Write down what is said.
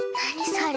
それ。